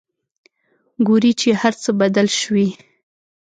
ګوري چې هرڅه بدل شوي.